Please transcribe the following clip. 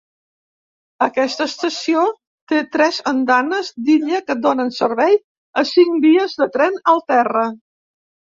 Aquesta estació té tres andanes d'illa que donen servei a cinc vies de tren al terra.